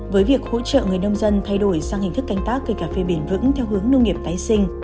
với việc hỗ trợ người nông dân thay đổi sang hình thức canh tác cây cà phê bền vững theo hướng nông nghiệp tái sinh